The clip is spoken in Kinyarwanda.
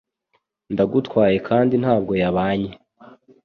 Ndagutwaye kandi ntabwo yabanye